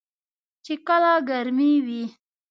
چې کله ګرمې وي .